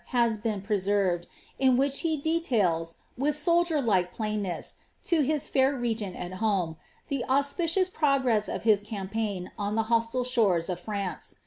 has been preserved, in which he details, with soldierlike plainness ts his fair regent at home, the auspicious progress of his campaign on the hostile sliores of France.